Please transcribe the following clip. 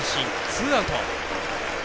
ツーアウト。